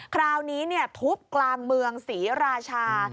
คราวนี้ทุบกลางเมืองศรีราชา